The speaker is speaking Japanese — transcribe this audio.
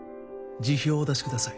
辞表をお出しください。